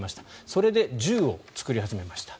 それで銃を作り始めました